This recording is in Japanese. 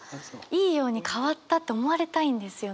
いいように変わったって思われたいんですよねきっと。